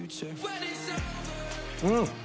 うん！